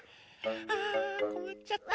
あこまっちゃったな。